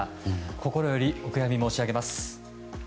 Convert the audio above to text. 心よりお悔やみ申し上げます。